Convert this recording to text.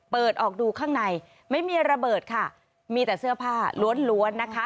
เปิดออกดูข้างในไม่มีระเบิดค่ะมีแต่เสื้อผ้าล้วนล้วนนะคะ